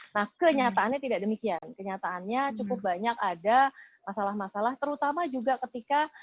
nah kenyataannya tidak demikian kenyataannya cukup banyak ada masalah masalah terutama juga ketika